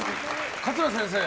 桂先生。